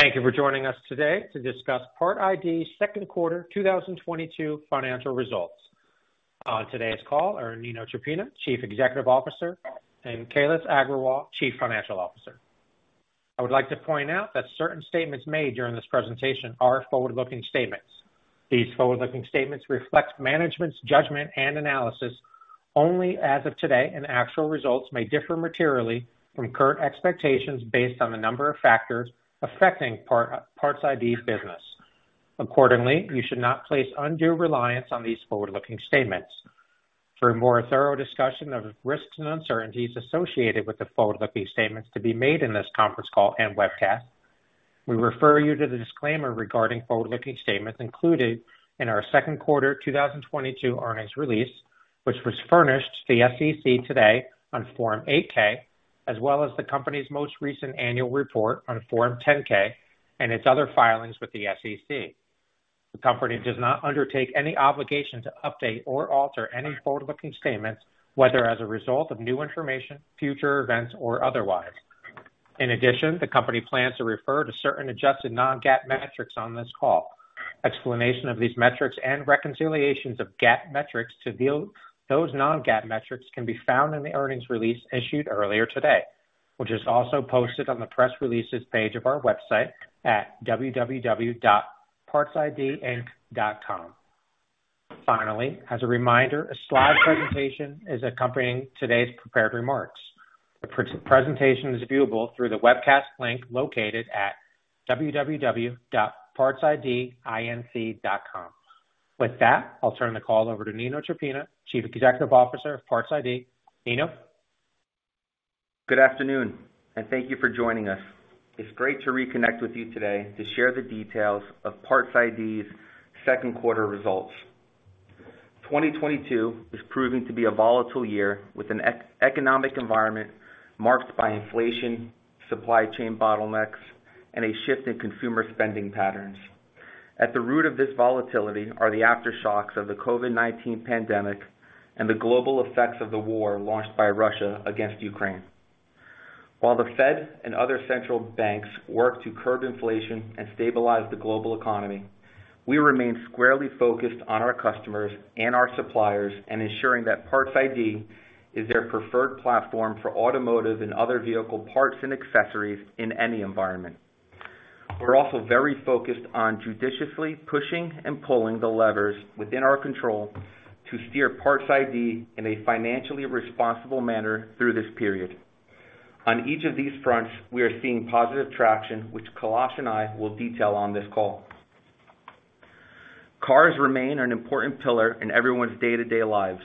Thank you for joining us today to discuss PARTS iD second quarter 2022 financial results. On today's call are Nino Ciappina, Chief Executive Officer and Kailas Agrawal, Chief Financial Officer. I would like to point out that certain statements made during this presentation are forward-looking statements. These forward-looking statements reflect management's judgment and analysis only as of today and actual results may differ materially from current expectations based on the number of factors affecting PARTS iD business. Accordingly, you should not place undue reliance on these forward-looking statements. For a more thorough discussion of risks and uncertainties associated with the forward-looking statements to be made in this conference call and webcast, we refer you to the disclaimer regarding forward-looking statements included in our second quarter 2022 earnings release. Which was furnished to the SEC today on Form 8-K, as well as the company's most recent annual report on Form 10-K and its other filings with the SEC. The company does not undertake any obligation to update or alter any forward-looking statements, whether as a result of new information, future events or otherwise. In addition, the company plans to refer to certain adjusted non-GAAP metrics on this call. Explanation of these metrics and reconciliations of GAAP metrics to view those non-GAAP metrics can be found in the earnings release issued earlier today, which is also posted on the press releases page of our website at www.partsidinc.com. Finally, as a reminder, a slide presentation is accompanying today's prepared remarks. The pre-presentation is viewable through the webcast link located at www.partsidinc.com. With that, I'll turn the call over to Nino Ciappina, Chief Executive Officer of PARTS iD. Nino. Good afternoon and thank you for joining us. It's great to reconnect with you today to share the details of PARTS iD's second quarter results. 2022 is proving to be a volatile year with an economic environment marked by inflation, supply chain bottlenecks and a shift in consumer spending patterns. At the root of this volatility are the aftershocks of the COVID-19 pandemic and the global effects of the war launched by Russia against Ukraine. While the Fed and other central banks work to curb inflation and stabilize the global economy, we remain squarely focused on our customers and our suppliers and ensuring that PARTS iD is their preferred platform for automotive and other vehicle parts and accessories in any environment. We're also very focused on judiciously pushing and pulling the levers within our control to steer PARTS iD in a financially responsible manner through this period. On each of these fronts, we are seeing positive traction, which Kailas and I will detail on this call. Cars remain an important pillar in everyone's day-to-day lives.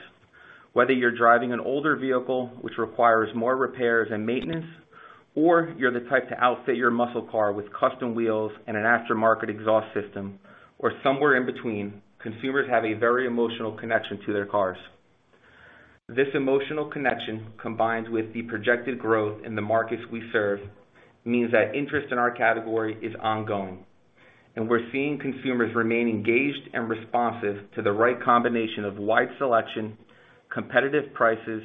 Whether you're driving an older vehicle which requires more repairs and maintenance or you're the type to outfit your muscle car with custom wheels and an aftermarket exhaust system or somewhere in between, consumers have a very emotional connection to their cars. This emotional connection, combined with the projected growth in the markets we serve, means that interest in our category is ongoing and we're seeing consumers remain engaged and responsive to the right combination of wide selection, competitive prices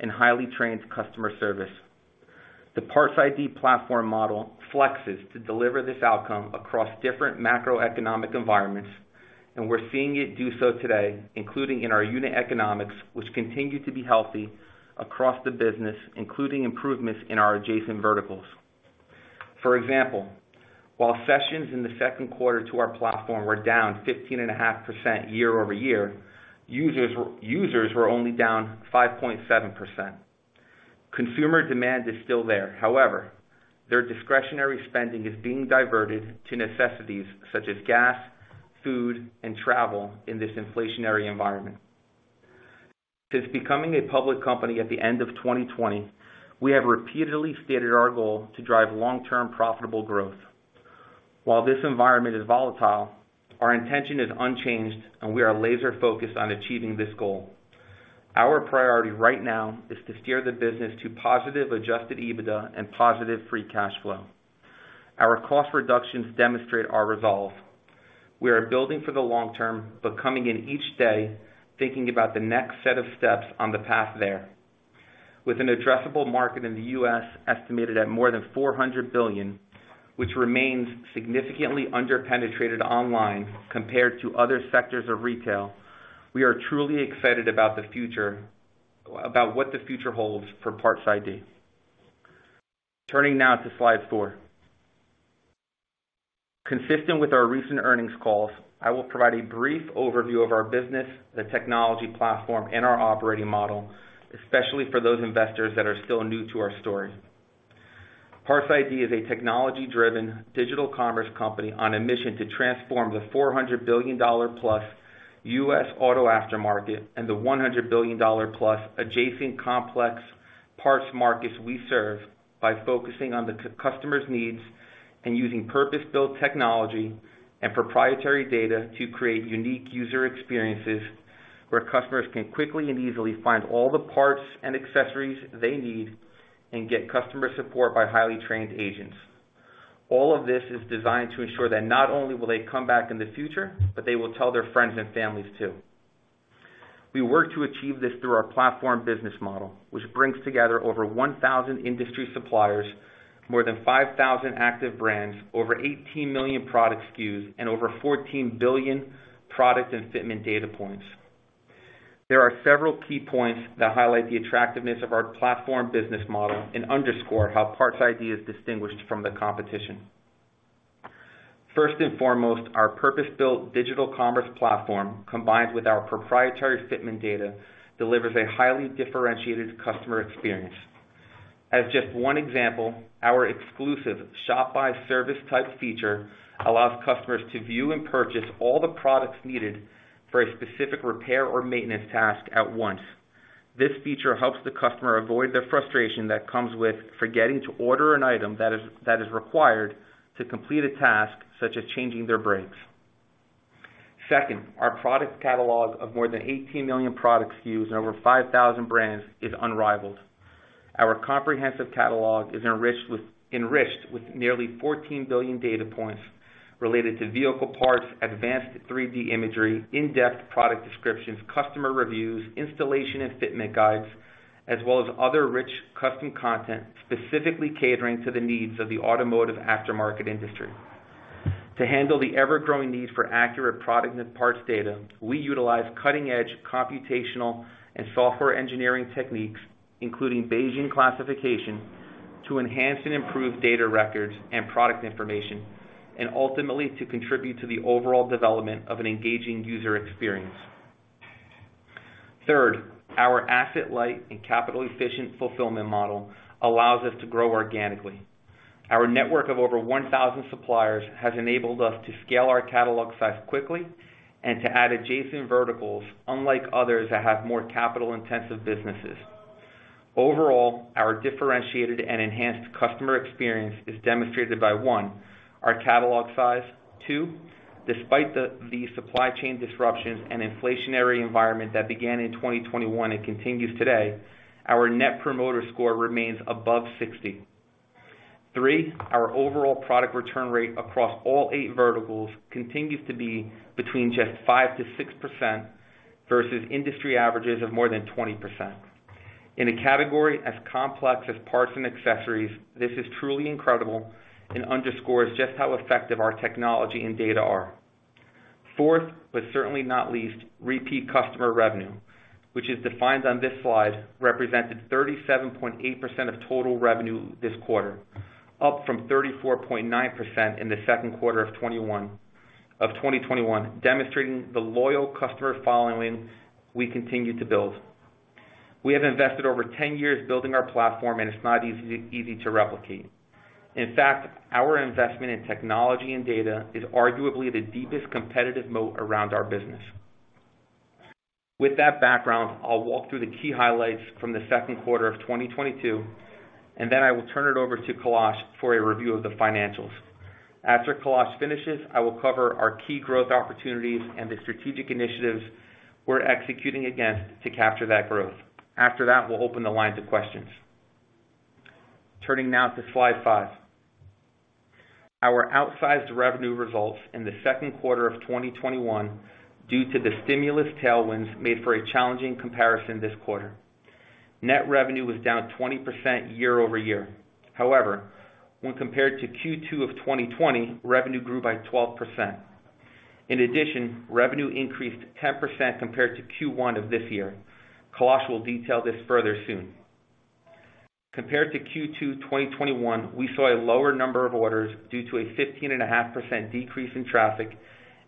and highly trained customer service. The PARTS iD platform model flexes to deliver this outcome across different macroeconomic environments and we're seeing it do so today, including in our unit economics, which continue to be healthy across the business, including improvements in our adjacent verticals. For example, while sessions in the second quarter to our platform were down 15.5% year-over-year, users were only down 5.7%. Consumer demand is still there. However, their discretionary spending is being diverted to necessities such as gas, food and travel in this inflationary environment. Since becoming a public company at the end of 2020, we have repeatedly stated our goal to drive long-term profitable growth. While this environment is volatile, our intention is unchanged and we are laser focused on achieving this goal. Our priority right now is to steer the business to positive adjusted EBITDA and positive free cash flow. Our cost reductions demonstrate our resolve. We are building for the long term but coming in each day, thinking about the next set of steps on the path there. With an addressable market in the U.S. estimated at more than $400 billion, which remains significantly underpenetrated online compared to other sectors of retail, we are truly excited about the future, about what the future holds for PARTS iD. Turning now to slide 4. Consistent with our recent earnings calls, I will provide a brief overview of our business, the technology platform and our operating model, especially for those investors that are still new to our story. PARTS iD is a technology-driven digital commerce company on a mission to transform the $400 billion+ U.S. auto aftermarket and the $100 billion+ adjacent complex parts markets we serve by focusing on the customer's needs and using purpose-built technology and proprietary data to create unique user experiences where customers can quickly and easily find all the parts and accessories they need and get customer support by highly trained agents. All of this is designed to ensure that not only will they come back in the future but they will tell their friends and families too. We work to achieve this through our platform business model, which brings together over 1,000 industry suppliers, more than 5,000 active brands, over 18 million product SKUs and over 14 billion product and fitment data points. There are several key points that highlight the attractiveness of our platform business model and underscore how PARTS iD is distinguished from the competition. First and foremost, our purpose-built digital commerce platform, combined with our proprietary fitment data, delivers a highly differentiated customer experience. As just one example, our exclusive shop by service types feature allows customers to view and purchase all the products needed for a specific repair or maintenance task at once. This feature helps the customer avoid the frustration that comes with forgetting to order an item that is required to complete a task, such as changing their brakes. Second, our product catalog of more than 18 million product SKUs and over 5,000 brands is unrivaled. Our comprehensive catalog is enriched with nearly 14 billion data points related to vehicle parts, advanced 3D imagery, in-depth product descriptions, customer reviews, installation and fitment guides, as well as other rich custom content, specifically catering to the needs of the automotive aftermarket industry. To handle the ever-growing need for accurate product and parts data, we utilize cutting-edge computational and software engineering techniques, including Bayesian classification, to enhance and improve data records and product information and ultimately to contribute to the overall development of an engaging user experience. Third, our asset-light and capital-efficient fulfillment model allows us to grow organically. Our network of over 1,000 suppliers has enabled us to scale our catalog size quickly and to add adjacent verticals, unlike others that have more capital-intensive businesses. Overall, our differentiated and enhanced customer experience is demonstrated by one, our catalog size. Two, despite the supply chain disruptions and inflationary environment that began in 2021 and continues today, our Net Promoter Score remains above 60. Three, our overall product return rate across all eight verticals continues to be between just 5%-6% versus industry averages of more than 20%. In a category as complex as parts and accessories, this is truly incredible and underscores just how effective our technology and data are. Fourth but certainly not least, repeat customer revenue, which is defined on this slide, represented 37.8% of total revenue this quarter, up from 34.9% in the second quarter of 2021, demonstrating the loyal customer following we continue to build. We have invested over 10 years building our platform and it's not easy to replicate. In fact, our investment in technology and data is arguably the deepest competitive moat around our business. With that background, I'll walk through the key highlights from the second quarter of 2022 and then I will turn it over to Kailas for a review of the financials. After Kailas finishes, I will cover our key growth opportunities and the strategic initiatives we're executing against to capture that growth. After that, we'll open the line to questions. Turning now to slide 5. Our outsized revenue results in the second quarter of 2021 due to the stimulus tailwinds made for a challenging comparison this quarter. Net revenue was down 20% year over year. However, when compared to Q2 of 2020, revenue grew by 12%. In addition, revenue increased 10% compared to Q1 of this year. Kailas will detail this further soon. Compared to Q2 2021, we saw a lower number of orders due to a 15.5% decrease in traffic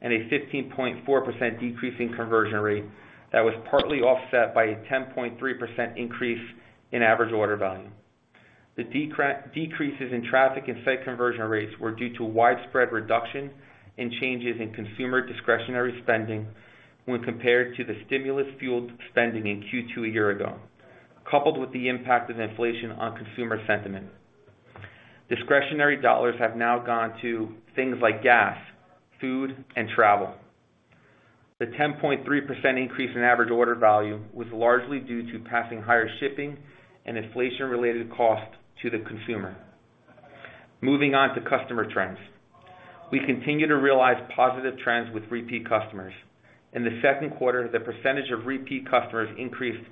and a 15.4% decrease in conversion rate that was partly offset by a 10.3% increase in average order value. The decreases in traffic and site conversion rates were due to widespread reductions in consumer discretionary spending when compared to the stimulus-fueled spending in Q2 a year ago, coupled with the impact of inflation on consumer sentiment. Discretionary dollars have now gone to things like gas, food and travel. The 10.3% increase in average order value was largely due to passing higher shipping and inflation-related costs to the consumer. Moving on to customer trends. We continue to realize positive trends with repeat customers. In the second quarter, the percentage of repeat customers increased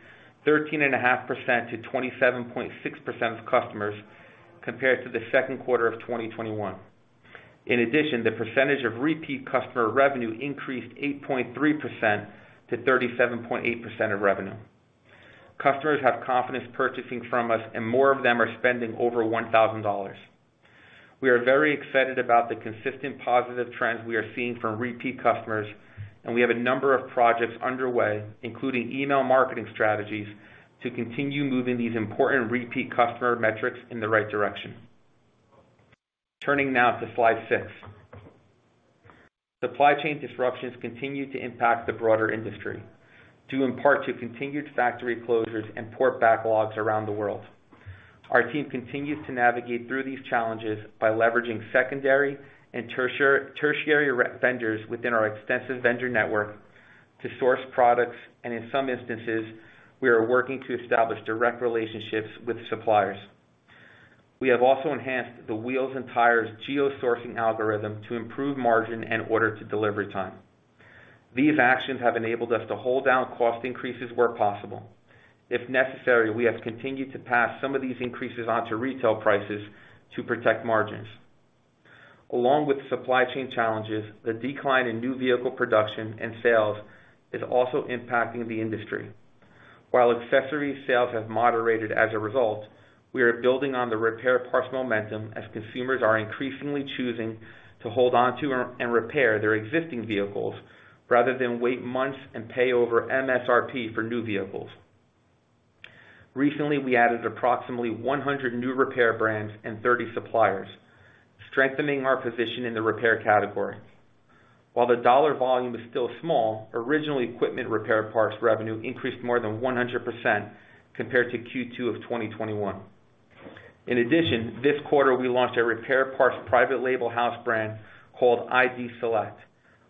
13.5% to 27.6% of customers compared to the second quarter of 2021. In addition, the percentage of repeat customer revenue increased 8.3% to 37.8% of revenue. Customers have confidence purchasing from us and more of them are spending over $1,000. We are very excited about the consistent positive trends we are seeing from repeat customers and we have a number of projects underway, including email marketing strategies, to continue moving these important repeat customer metrics in the right direction. Turning now to slide six. Supply chain disruptions continue to impact the broader industry due in part to continued factory closures and port backlogs around the world. Our team continues to navigate through these challenges by leveraging secondary and tertiary vendors within our extensive vendor network to source products and in some instances, we are working to establish direct relationships with suppliers. We have also enhanced the wheels and tires geo-sourcing algorithm to improve margin and order-to-delivery time. These actions have enabled us to hold down cost increases where possible. If necessary, we have continued to pass some of these increases onto retail prices to protect margins. Along with supply chain challenges, the decline in new vehicle production and sales is also impacting the industry. While accessories sales have moderated as a result, we are building on the repair parts momentum as consumers are increasingly choosing to hold on to and repair their existing vehicles rather than wait months and pay over MSRP for new vehicles. Recently, we added approximately 100 new repair brands and 30 suppliers, strengthening our position in the repair category. While the dollar volume is still small original equipment repair parts revenue increased more than 100% compared to Q2 of 2021. In addition, this quarter, we launched a repair parts private label house brand called iD Select,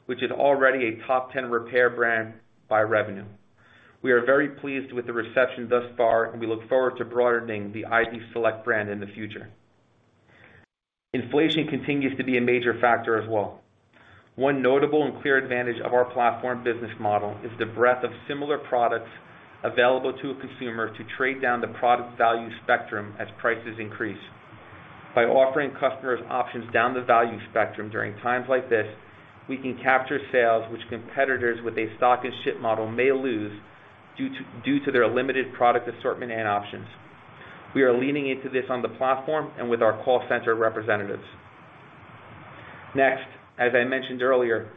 which is already a top 10 repair brand by revenue. We are very pleased with the reception thus far and we look forward to broadening the iD Select brand in the future. Inflation continues to be a major factor as well. One notable and clear advantage of our platform business model is the breadth of similar products available to a consumer to trade down the product value spectrum as prices increase. By offering customers options down the value spectrum during times like this, we can capture sales which competitors with a stock and ship model may lose due to their limited product assortment and options. We are leaning into this on the platform and with our call center representatives. Next, as I mentioned earlier,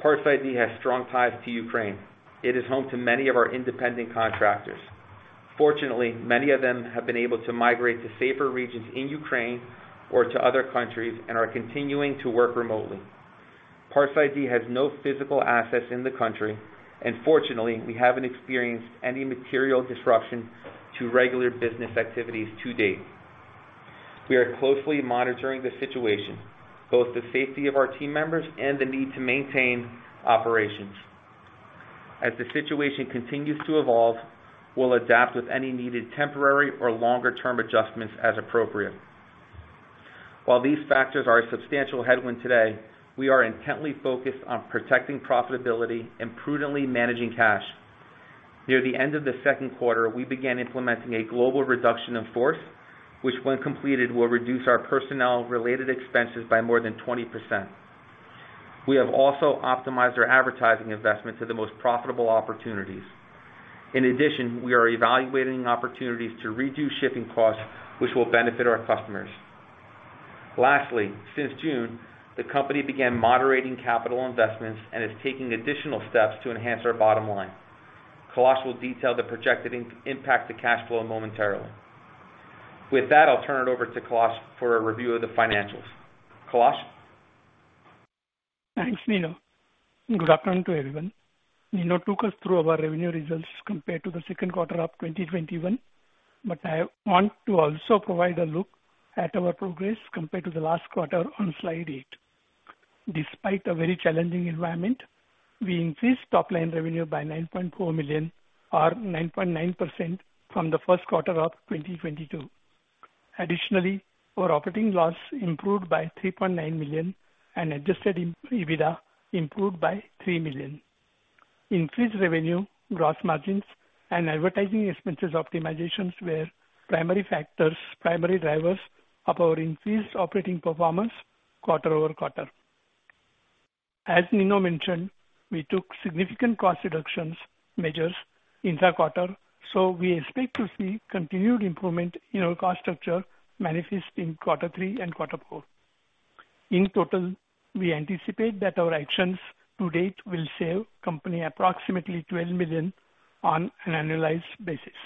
PARTS iD has strong ties to Ukraine. It is home to many of our independent contractors. Fortunately, many of them have been able to migrate to safer regions in Ukraine or to other countries and are continuing to work remotely. PARTS iD has no physical assets in the country and fortunately, we haven't experienced any material disruption to regular business activities to date. We are closely monitoring the situation, both the safety of our team members and the need to maintain operations. As the situation continues to evolve, we'll adapt with any needed temporary or longer-term adjustments as appropriate. While these factors are a substantial headwind today, we are intently focused on protecting profitability and prudently managing cash. Near the end of the second quarter, we began implementing a global reduction in force, which when completed, will reduce our personnel related expenses by more than 20%. We have also optimized our advertising investment to the most profitable opportunities. In addition, we are evaluating opportunities to reduce shipping costs, which will benefit our customers. Lastly, since June, the company began moderating capital investments and is taking additional steps to enhance our bottom line. Kailas will detail the projected impact to cash flow momentarily. With that, I'll turn it over to Kailas for a review of the financials. Kailas? Thanks, Nino. Good afternoon to everyone. Nino took us through our revenue results compared to the second quarter of 2021. I want to also provide a look at our progress compared to the last quarter on slide eight. Despite a very challenging environment, we increased top-line revenue by $9.4 million or 9.9% from the first quarter of 2022. Additionally, our operating loss improved by $3.9 million and adjusted EBITDA improved by $3 million. Increased revenue, gross margins and advertising expenses optimizations were primary factors, primary drivers of our increased operating performance quarter-over-quarter. As Nino mentioned, we took significant cost reduction measures inter-quarter, so we expect to see continued improvement in our cost structure manifest in quarter three and quarter four. In total, we anticipate that our actions to date will save company approximately $12 million on an annualized basis.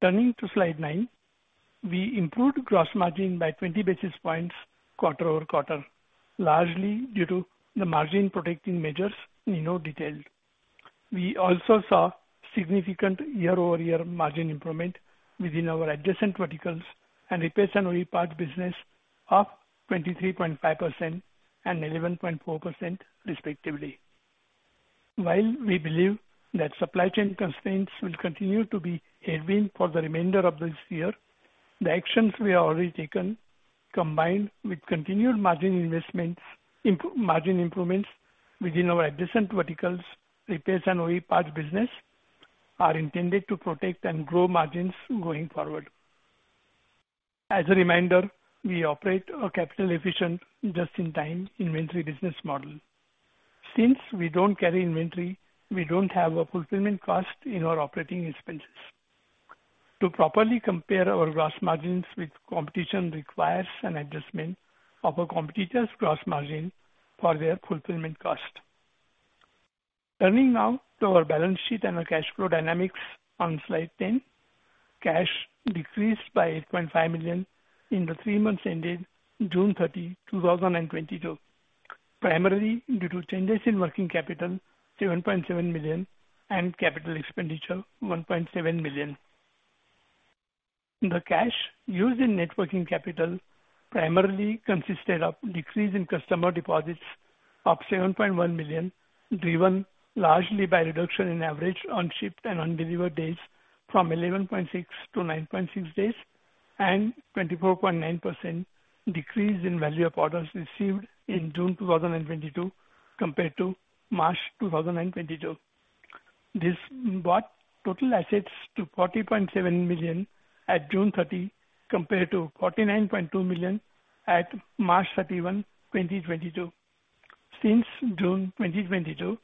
Turning to slide nine. We improved gross margin by 20 basis points quarter-over-quarter, largely due to the margin-protecting measures Nino detailed. We also saw significant year-over-year margin improvement within our adjacent verticals and repairs and OE parts business of 23.5% and 11.4% respectively. While we believe that supply chain constraints will continue to be a win for the remainder of this year, the actions we have already taken, combined with continued margin investments, margin improvements within our adjacent verticals, repairs and OE parts business, are intended to protect and grow margins going forward. As a reminder, we operate a capital efficient just-in-time inventory business model. Since we don't carry inventory, we don't have a fulfillment cost in our operating expenses. To properly compare our gross margins with competition requires an adjustment of a competitor's gross margin for their fulfillment cost. Turning now to our balance sheet and our cash flow dynamics on slide 10. Cash decreased by $8.5 million in the three months ending 30 June 2022, primarily due to changes in working capital, $7.7 million and capital expenditure, $1.7 million. The cash used in net working capital primarily consisted of decrease in customer deposits of $7.1 million, driven largely by reduction in average unshipped and undelivered days from 11.6 to 9.6 days and 24.9% decrease in value of orders received in June 2022 compared to March 2022. This brought total assets to $40.7 million at 30 June compared to $49.2 million at 31 March 2022. Since June 2022,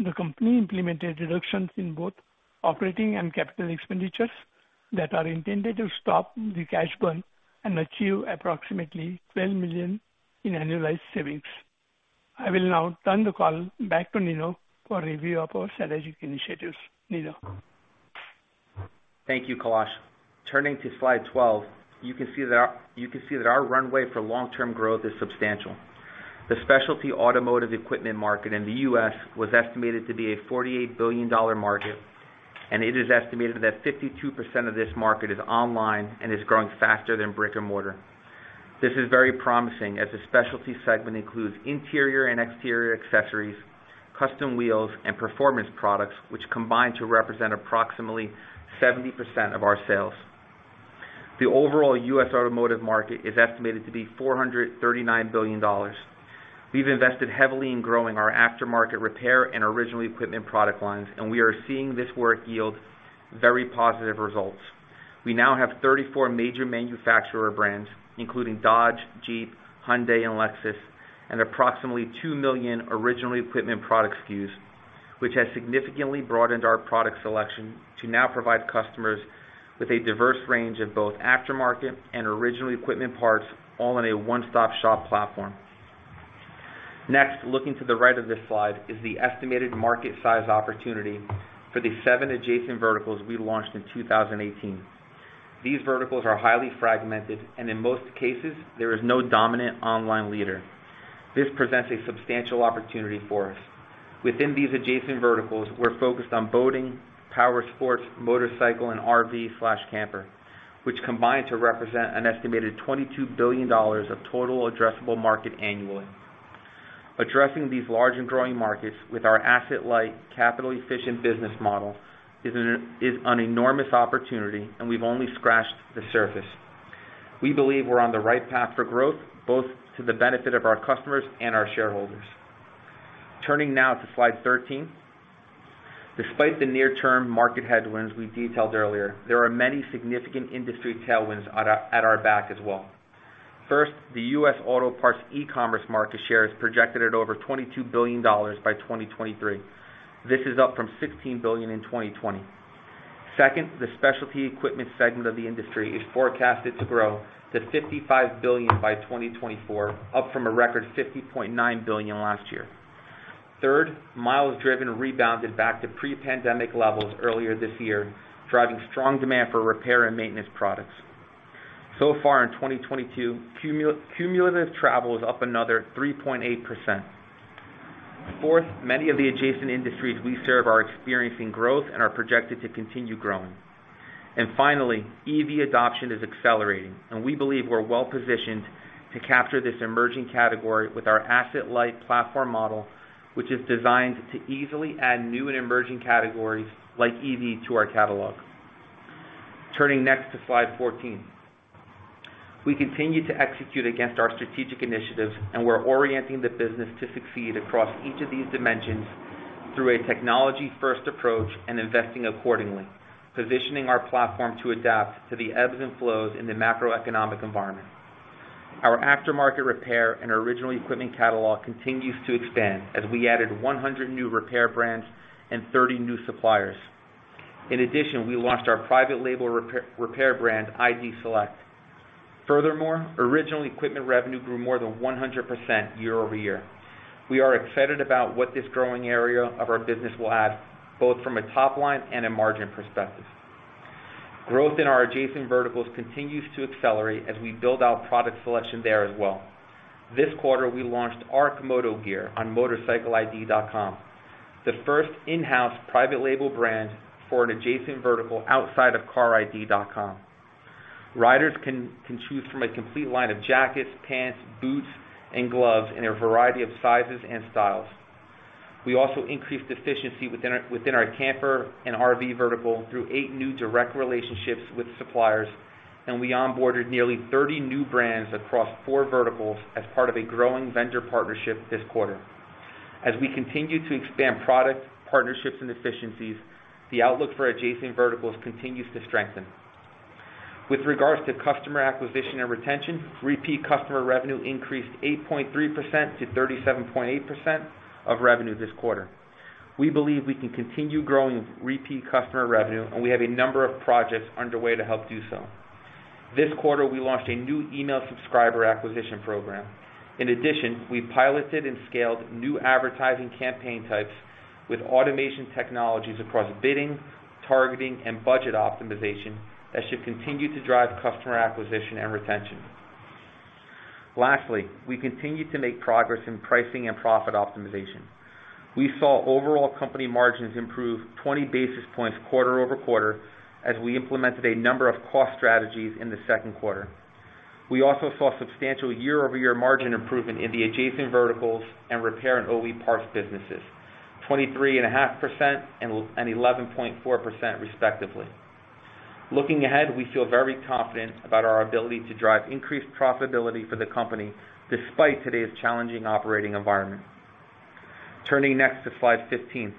the company implemented reductions in both operating and capital expenditures that are intended to stop the cash burn and achieve approximately $12 million in annualized savings. I will now turn the call back to Nino for a review of our strategic initiatives. Nino. Thank you, Kailas. Turning to slide 12, you can see that our runway for long-term growth is substantial. The specialty automotive equipment market in the U.S. was estimated to be a $48 billion market and it is estimated that 52% of this market is online and is growing faster than brick-and-mortar. This is very promising, as the specialty segment includes interior and exterior accessories, custom wheels and performance products, which combine to represent approximately 70% of our sales. The overall U.S. automotive market is estimated to be $439 billion. We've invested heavily in growing our aftermarket repair and original equipment product lines and we are seeing this work yield very positive results. We now have 34 major manufacturer brands, including Dodge, Jeep, Hyundai and Lexus and approximately 2 million original equipment product SKUs, which has significantly broadened our product selection to now provide customers with a diverse range of both aftermarket and original equipment parts all in a one-stop-shop platform. Next, looking to the right of this slide is the estimated market size opportunity for the seven adjacent verticals we launched in 2018. These verticals are highly fragmented and in most cases, there is no dominant online leader. This presents a substantial opportunity for us. Within these adjacent verticals, we're focused on boating, power sports, motorcycle and RV/camper, which combine to represent an estimated $22 billion of total addressable market annually. Addressing these large and growing markets with our asset light, capital-efficient business model is an enormous opportunity and we've only scratched the surface. We believe we're on the right path for growth, both to the benefit of our customers and our shareholders. Turning now to slide 13. Despite the near-term market headwinds we detailed earlier, there are many significant industry tailwinds at our back as well. First, the U.S. auto parts e-commerce market share is projected at over $22 billion by 2023. This is up from $16 billion in 2020. Second, the specialty equipment segment of the industry is forecasted to grow to $55 billion by 2024, up from a record $50.9 billion last year. Third, miles driven rebounded back to pre-pandemic levels earlier this year, driving strong demand for repair and maintenance products. So far in 2022, cumulative travel is up another 3.8%. Fourth, many of the adjacent industries we serve are experiencing growth and are projected to continue growing. Finally, EV adoption is accelerating and we believe we're well-positioned to capture this emerging category with our asset-light platform model, which is designed to easily add new and emerging categories like EV to our catalog. Turning next to slide 14. We continue to execute against our strategic initiatives and we're orienting the business to succeed across each of these dimensions through a technology-first approach and investing accordingly, positioning our platform to adapt to the ebbs and flows in the macroeconomic environment. Our aftermarket repair and original equipment catalog continues to expand as we added 100 new repair brands and 30 new suppliers. In addition, we launched our private label repair brand, iD Select. Furthermore original equipment revenue grew more than 100% year-over-year. We are excited about what this growing area of our business will add, both from a top line and a margin perspective. Growth in our adjacent verticals continues to accelerate as we build our product selection there as well. This quarter, we launched ARC Moto Gear on MOTORCYCLEiD.com, the first in-house private label brand for an adjacent vertical outside of CARiD.com. Riders can choose from a complete line of jackets, pants, boots and gloves in a variety of sizes and styles. We also increased efficiency within our camper and RV vertical through eight new direct relationships with suppliers and we onboarded nearly 30 new brands across four verticals as part of a growing vendor partnership this quarter. As we continue to expand product, partnerships and efficiencies, the outlook for adjacent verticals continues to strengthen. With regards to customer acquisition and retention, repeat customer revenue increased 8.3% to 37.8% of revenue this quarter. We believe we can continue growing repeat customer revenue and we have a number of projects underway to help do so. This quarter, we launched a new email subscriber acquisition program. In addition, we piloted and scaled new advertising campaign types with automation technologies across bidding, targetin and budget optimization that should continue to drive customer acquisition and retention. Lastly, we continue to make progress in pricing and profit optimization. We saw overall company margins improve 20 basis points quarter-over-quarter as we implemented a number of cost strategies in the second quarter. We also saw substantial year-over-year margin improvement in the adjacent verticals and repair and OE parts businesses, 23.5% and 11.4%, respectively. Looking ahead, we feel very confident about our ability to drive increased profitability for the company despite today's challenging operating environment. Turning next to slide 15.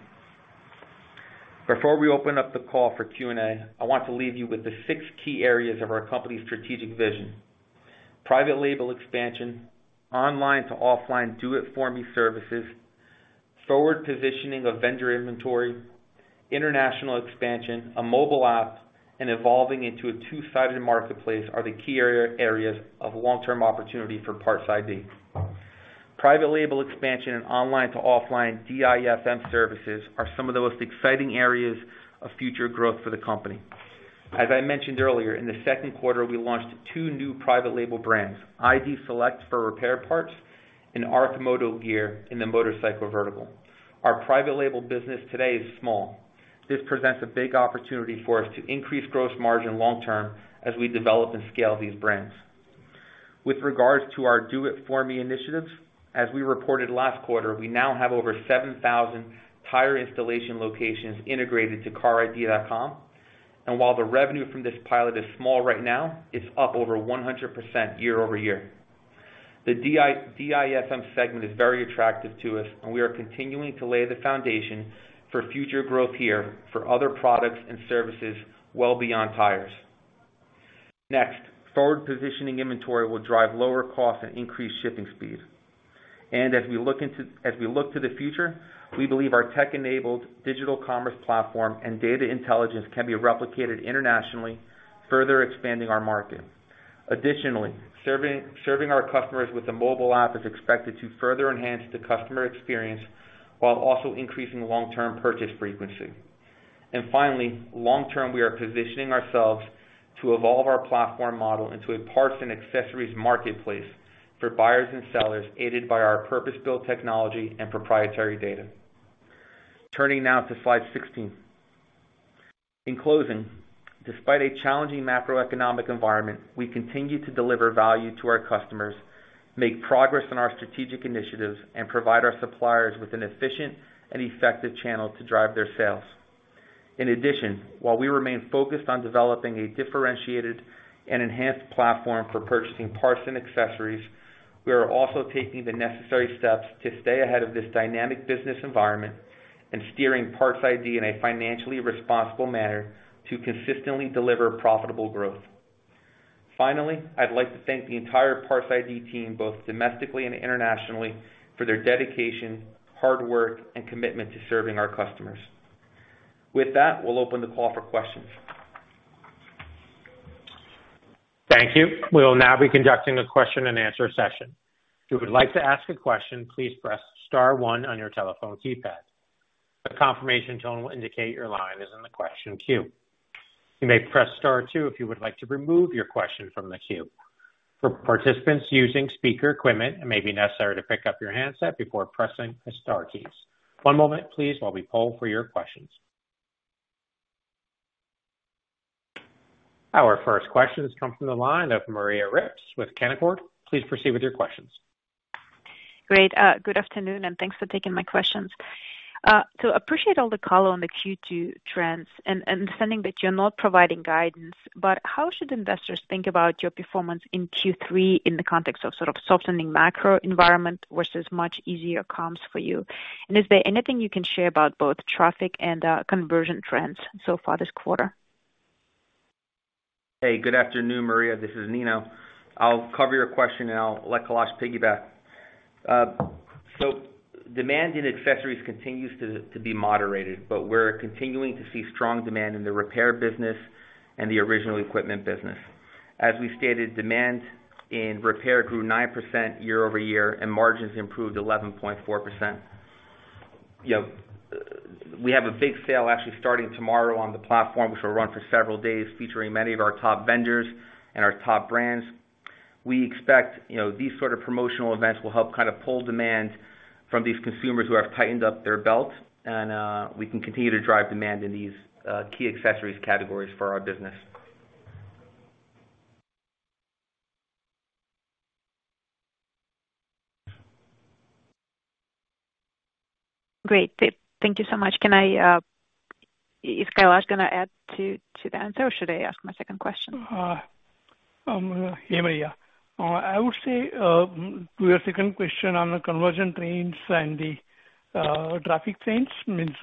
Before we open up the call for Q&A, I want to leave you with the six key areas of our company's strategic vision. Private label expansion, online to offline do it for me services, forward positioning of vendor inventory, international expansion, a mobile app and evolving into a two-sided marketplace are the key areas of long-term opportunity for PARTS iD. Private label expansion and online to offline DIFM services are some of the most exciting areas of future growth for the company. As I mentioned earlier, in the second quarter, we launched two new private label brands, iD Select for repair parts and ARC Moto Gear in the motorcycle vertical. Our private label business today is small. This presents a big opportunity for us to increase gross margin long term as we develop and scale these brands. With regards to our do it for me initiatives, as we reported last quarter, we now have over 7,000 tire installation locations integrated to CARiD.com. While the revenue from this pilot is small right now, it's up over 100% year-over-year. The DIY-DIFM segment is very attractive to us and we are continuing to lay the foundation for future growth here for other products and services well beyond tires. Next, forward positioning inventory will drive lower costs and increase shipping speeds. As we look to the future, we believe our tech-enabled digital commerce platform and data intelligence can be replicated internationally, further expanding our market. Additionally, serving our customers with a mobile app is expected to further enhance the customer experience while also increasing long-term purchase frequency. Finally, long term, we are positioning ourselves to evolve our platform model into a parts and accessories marketplace for buyers and sellers, aided by our purpose-built technology and proprietary data. Turning now to slide 16. In closing, despite a challenging macroeconomic environment, we continue to deliver value to our customers, make progress on our strategic initiatives and provide our suppliers with an efficient and effective channel to drive their sales. In addition, while we remain focused on developing a differentiated and enhanced platform for purchasing parts and accessories, we are also taking the necessary steps to stay ahead of this dynamic business environment and steering PARTS iD in a financially responsible manner to consistently deliver profitable growth. Finally, I'd like to thank the entire PARTS iD team, both domestically and internationally, for their dedication, hard work and commitment to serving our customers. With that, we'll open the call for questions. Thank you. We will now be conducting a question-and-answer session. If you would like to ask a question, please press star one on your telephone keypad. A confirmation tone will indicate your line is in the question queue. You may press star two if you would like to remove your question from the queue. For participants using speaker equipment, it may be necessary to pick up your handset before pressing the star keys. One moment please while we poll for your questions. Our first question comes from the line of Maria Ripps with Canaccord. Please proceed with your questions. Great. Good afternoon and thanks for taking my questions. Appreciate all the color on the Q2 trends and understanding that you're not providing guidance. How should investors think about your performance in Q3 in the context of sort of softening macro environment versus much easier comps for you? Is there anything you can share about both traffic and conversion trends so far this quarter? Hey, good afternoon, Maria. This is Nino. I'll cover your question and I'll let Kailas piggyback. Demand in accessories continues to be moderated but we're continuing to see strong demand in the repair business and the original equipment business. As we stated, demand in repair grew 9% year-over-year and margins improved 11.4%. You know, we have a big sale actually starting tomorrow on the platform, which will run for several days, featuring many of our top vendors and our top brands. We expect, you know, these sort of promotional events will help kind of pull demand from these consumers who have tightened up their belts and we can continue to drive demand in these key accessories categories for our business. Great. Thank you so much. Can I? Is Kailas gonna add to the answer or should I ask my second question? Hey, Maria. I would say to your second question on the conversion trends and the traffic trends means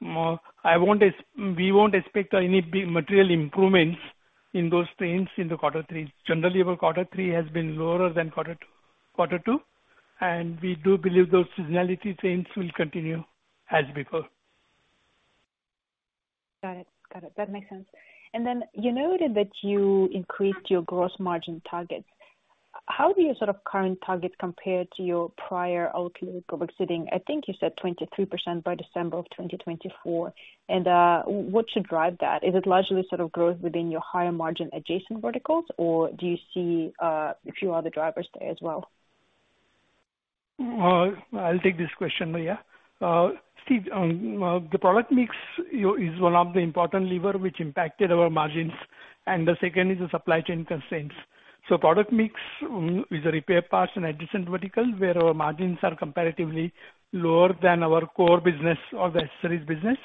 we won't expect any big material improvements in those trends in the quarter threes. Generally, our quarter three has been lower than quarter two and we do believe those seasonality trends will continue as before. Got it. That makes sense. You noted that you increased your gross margin targets. How do your sort of current targets compare to your prior outlook from exiting? I think you said 23% by December 2024. What should drive that? Is it largely sort of growth within your higher margin adjacent verticals or do you see a few other drivers there as well? I'll take this question, Maria. Steve, the product mix is one of the important lever which impacted our margins and the second is the supply chain constraints. Product mix is a repair parts and adjacent verticals, where our margins are comparatively lower than our core business or the accessories business.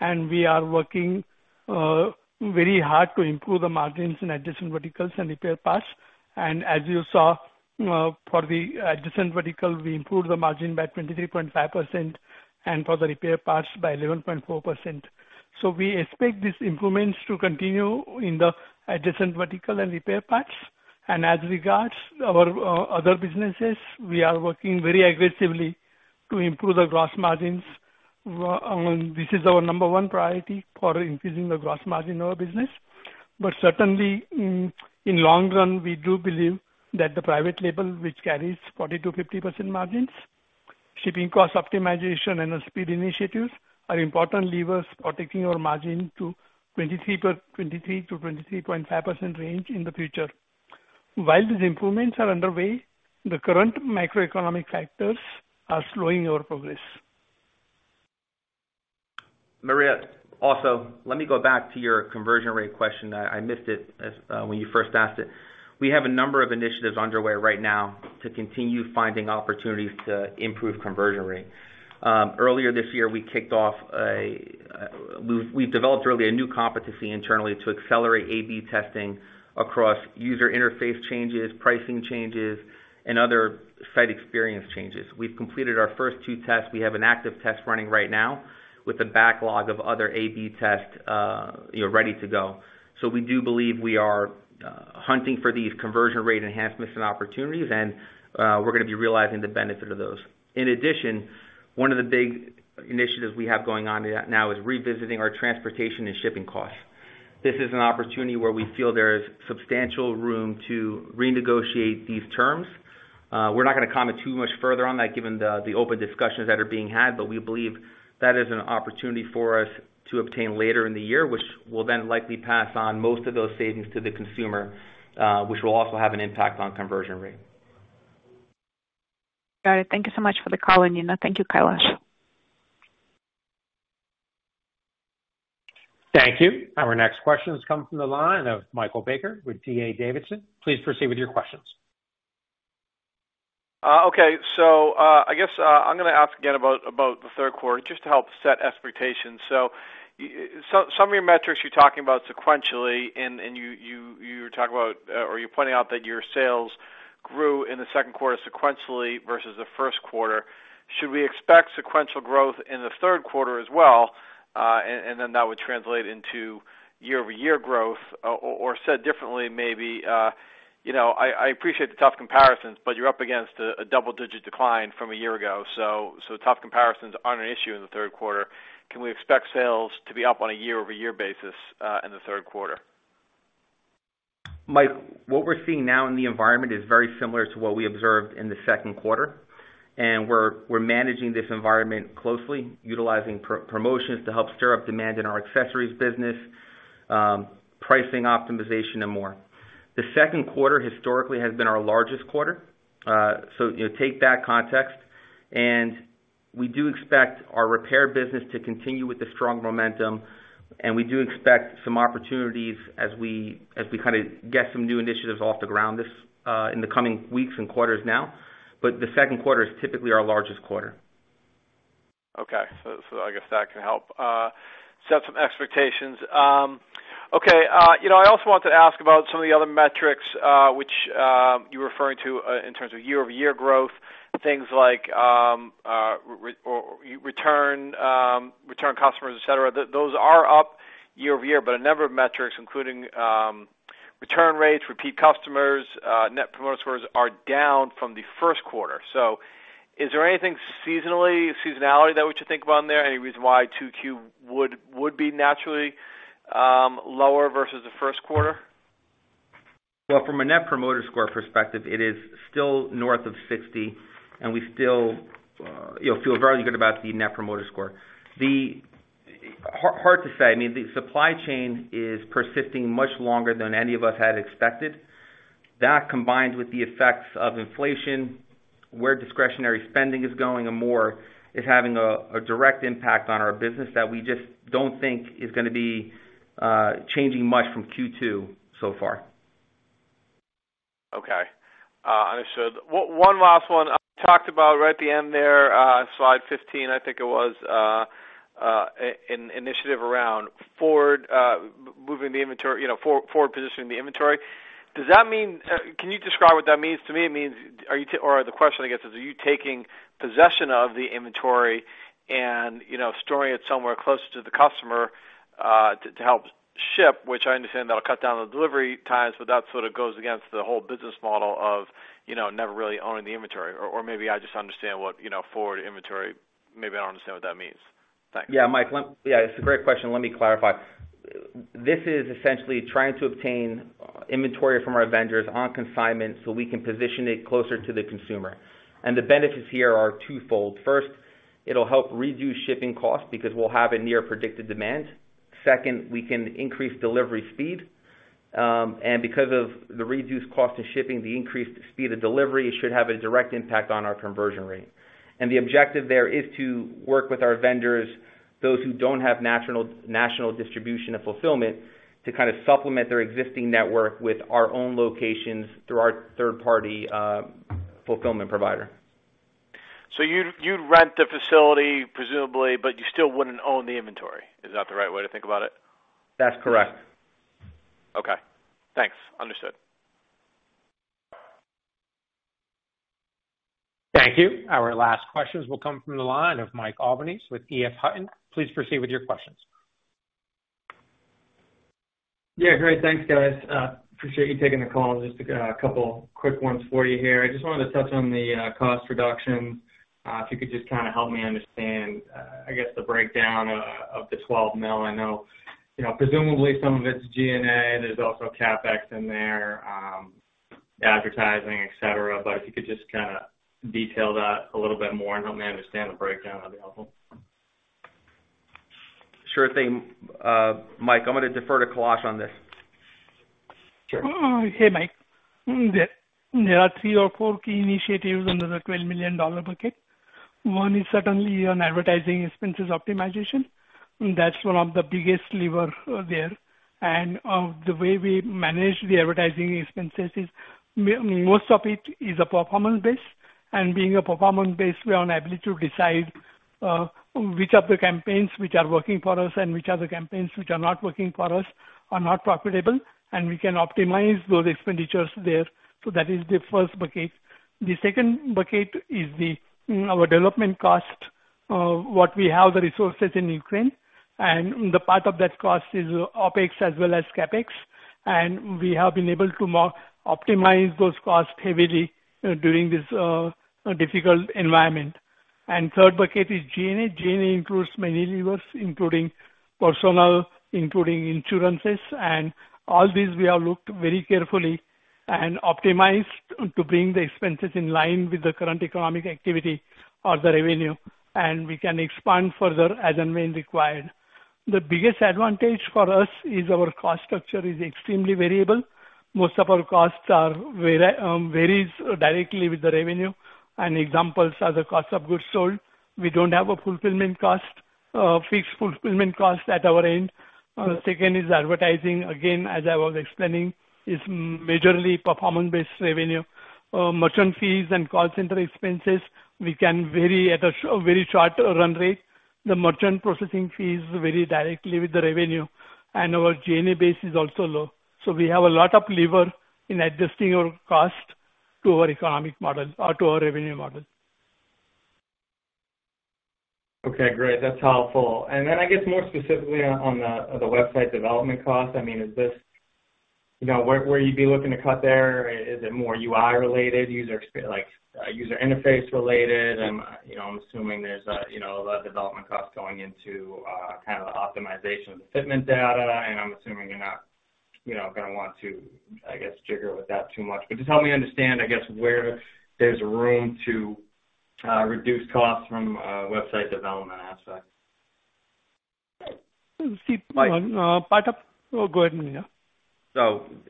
We are working very hard to improve the margins in adjacent verticals and repair parts. As you saw, for the adjacent verticals, we improved the margin by 23.5% and for the repair parts by 11.4%. We expect these improvements to continue in the adjacent vertical and repair parts. As regards our other businesses, we are working very aggressively to improve the gross margins. This is our number one priority for increasing the gross margin of our business. Certainly, in long run, we do believe that the private label, which carries 40%-50% margins, shipping cost optimization and our speed initiatives are important levers protecting our margin to 23%-23.5% range in the future. While these improvements are underway, the current macroeconomic factors are slowing our progress. Maria, also, let me go back to your conversion rate question. I missed it when you first asked it. We have a number of initiatives underway right now to continue finding opportunities to improve conversion rate. Earlier this year, we kicked off. We've developed really a new competency internally to accelerate A/B testing across user interface changes, pricing changes and other site experience changes. We've completed our first two tests. We have an active test running right now with a backlog of other A/B tests, you know, ready to go. We do believe we are hunting for these conversion rate enhancements and opportunities and we're gonna be realizing the benefit of those. In addition, one of the big initiatives we have going on now is revisiting our transportation and shipping costs. This is an opportunity where we feel there is substantial room to renegotiate these terms. We're not gonna comment too much further on that given the open discussions that are being had but we believe that is an opportunity for us to obtain later in the year, which we'll then likely pass on most of those savings to the consumer, which will also have an impact on conversion rate. Got it. Thank you so much for the color, Nino. Thank you, Kailas. Thank you. Our next question comes from the line of Michael Baker with D.A. Davidson. Please proceed with your questions. Okay. I guess I'm gonna ask again about the third quarter just to help set expectations. Some of your metrics you're talking about sequentially and you were talking about or you're pointing out that your sales grew in the second quarter sequentially versus the first quarter. Should we expect sequential growth in the third quarter as well? Then that would translate into year-over-year growth. Said differently maybe, you know, I appreciate the tough comparisons but you're up against a double-digit decline from a year ago. Tough comparisons aren't an issue in the third quarter. Can we expect sales to be up on a year-over-year basis in the third quarter? Mike, what we're seeing now in the environment is very similar to what we observed in the second quarter and we're managing this environment closely, utilizing promotions to help stir up demand in our accessories business, pricing optimization and more. The second quarter historically has been our largest quarter. You know, take that context and we do expect our repair business to continue with the strong momentum and we do expect some opportunities as we kind of get some new initiatives off the ground this in the coming weeks and quarters now. The second quarter is typically our largest quarter. Okay. I guess that can help set some expectations. You know, I also want to ask about some of the other metrics which you're referring to in terms of year-over-year growth. Things like return customers, et cetera. Those are up year-over-year but a number of metrics, including return rates, repeat customers, Net Promoter Scores are down from the first quarter. Is there anything seasonality that we should think about in there? Any reason why 2Q would be naturally lower versus the first quarter? Well, from a Net Promoter Score perspective, it is still north of 60 and we still, you know, feel very good about the Net Promoter Score. Hard to say. I mean, the supply chain is persisting much longer than any of us had expected. That, combined with the effects of inflation, where discretionary spending is going and more, is having a direct impact on our business that we just don't think is gonna be changing much from Q2 so far. Okay. Understood. One last one. Talked about right at the end there, slide 15, I think it was, an initiative around forward moving the inventory, you know, forward positioning the inventory. Does that mean? Can you describe what that means? To me, it means are you taking possession of the inventory and, you know, storing it somewhere closer to the customer, to help ship, which I understand that'll cut down the delivery times but that sort of goes against the whole business model of, you know, never really owning the inventory. Maybe I just misunderstand what, you know, forward inventory, maybe I don't understand what that means. Thanks. Yeah, Mike. Yeah, it's a great question. Let me clarify. This is essentially trying to obtain inventory from our vendors on consignment so we can position it closer to the consumer. The benefits here are twofold. First, it'll help reduce shipping costs because we'll have a near predicted demand. Second, we can increase delivery speed. Because of the reduced cost of shipping, the increased speed of delivery should have a direct impact on our conversion rate. The objective there is to work with our vendors, those who don't have national distribution and fulfillment, to kind of supplement their existing network with our own locations through our third-party fulfillment provider. You'd rent the facility presumably but you still wouldn't own the inventory. Is that the right way to think about it? That's correct. Okay. Thanks. Understood. Thank you. Our last questions will come from the line of Mike Albanese with EF Hutton. Please proceed with your questions. Yeah. Great. Thanks, guys. Appreciate you taking the call. Just a couple quick ones for you here. I just wanted to touch on the cost reduction. If you could just kinda help me understand, I guess the breakdown of the $12 million. I know, you know, presumably some of it's G&A. There's also CapEx in there, advertising, et cetera. If you could just kinda detail that a little bit more and help me understand the breakdown, that'd be helpful. Sure thing. Mike, I'm gonna defer to Kailas on this. Sure. Hey, Mike. There are three or four key initiatives under the $12 million bucket. One is certainly on advertising expenses optimization. That's one of the biggest lever there. The way we manage the advertising expenses is most of it is a performance-based. Being a performance-based, we are able to decide which are the campaigns which are working for us and which are the campaigns which are not working for us or not profitable and we can optimize those expenditures there. That is the first bucket. The second bucket is our development cost, what we have the resources in Ukraine. The part of that cost is OPEX as well as CapEx. We have been able to more optimize those costs heavily during this difficult environment. Third bucket is G&A. G&A includes many levers, including personnel, including insurance. All these, we have looked very carefully and optimized to bring the expenses in line with the current economic activity or the revenue and we can expand further as and when required. The biggest advantage for us is our cost structure is extremely variable. Most of our costs vary directly with the revenue and examples are the cost of goods sold. We don't have a fixed fulfillment cost at our end. Second is advertising. Again, as I was explaining, is majorly performance-based revenue. Merchant fees and call center expenses, we can vary at a very short run rate. The merchant processing fees vary directly with the revenue. Our G&A base is also low. We have a lot of leverage in adjusting our cost to our economic model or to our revenue model. Okay, great. That's helpful. I guess more specifically on the website development cost. I mean, you know, where you'd be looking to cut there, is it more UI related, like user interface related? You know, I'm assuming there's a lot of development costs going into kind of the optimization of the fitment data and I'm assuming you're not, you know, gonna want to, I guess, jigger with that too much. Just help me understand, I guess, where there's room to reduce costs from a website development aspect. Oh, go ahead, Nino.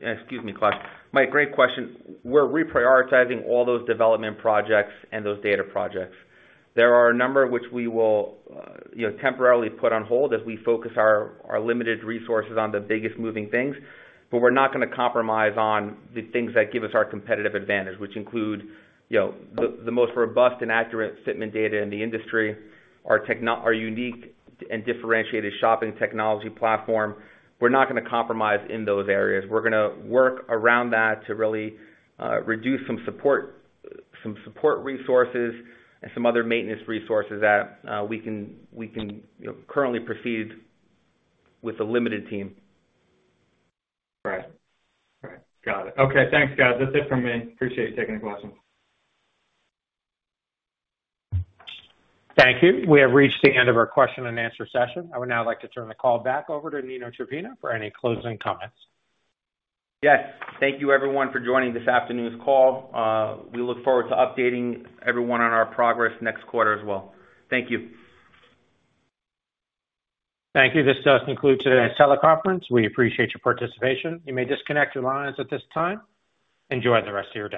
Excuse me, Kailas. Mike, great question. We're reprioritizing all those development projects and those data projects. There are a number which we will, you know, temporarily put on hold as we focus our limited resources on the biggest moving things. We're not gonna compromise on the things that give us our competitive advantage, which include, you know, the most robust and accurate fitment data in the industry, our unique and differentiated shopping technology platform. We're not gonna compromise in those areas. We're gonna work around that to really, reduce some support resources and some other maintenance resources that, we can, you know, currently proceed with a limited team. Right. Got it. Okay, thanks, guys. That's it from me. Appreciate you taking the questions. Thank you. We have reached the end of our question and answer session. I would now like to turn the call back over to Nino Ciappina for any closing comments. Yes. Thank you everyone for joining this afternoon's call. We look forward to updating everyone on our progress next quarter as well. Thank you. Thank you. This does conclude today's teleconference. We appreciate your participation. You may disconnect your lines at this time. Enjoy the rest of your day.